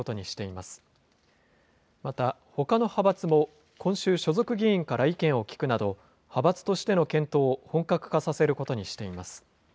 またほかの派閥も今週、所属議員から意見を聞くなど、派閥としての検討を本格化させることにしています。